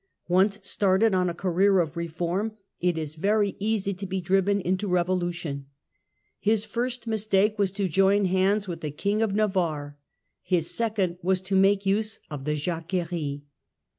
Once started on a career of reform it is very easy to be driven into revolution. His first mistake was to join hands with The Jac tlie King of Navarre, his second was to make use of the i358 Jacquerie.